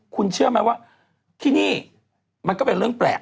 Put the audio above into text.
คุณเชื่อไหมว่าที่นี่มันก็เป็นเรื่องแปลก